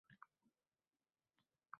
Bugun butunlay yangi zamonda yashayapmiz.